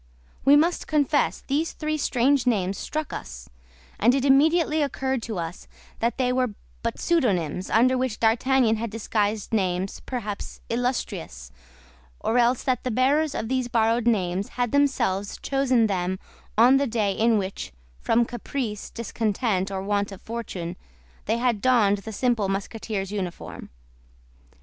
We must confess these three strange names struck us; and it immediately occurred to us that they were but pseudonyms, under which D'Artagnan had disguised names perhaps illustrious, or else that the bearers of these borrowed names had themselves chosen them on the day in which, from caprice, discontent, or want of fortune, they had donned the simple Musketeer's uniform.